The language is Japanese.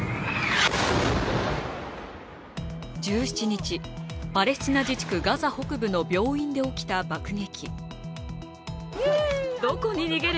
１７日、パレスチナ自治区ガザ北部の病院で起きた爆撃。